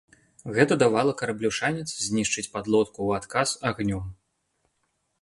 Гэта давала караблю шанец знішчыць падлодку у адказ агнём.